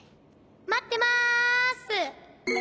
まってます！